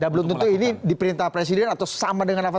belum tentu ini diperintah presiden atau sama dengan apa